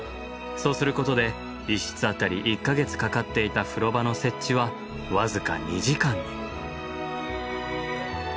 そうすることで１室当たり１か月かかっていた風呂場の設置はそして開会式